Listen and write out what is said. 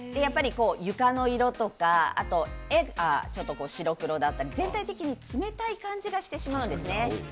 床の色とか、絵が白黒だったりとか全体的に冷たい感じがしてしまうんですね。